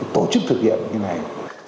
tổ chức thực hiện như này